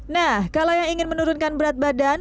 nah kalau yang ingin menurunkan berat badan